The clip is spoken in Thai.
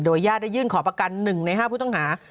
ญาติได้ยื่นขอประกัน๑ใน๕ผู้ต้องหา